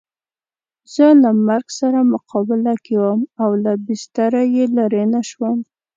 زه له مرګ سره مقابله کې وم او له بستره یې لرې نه شوم.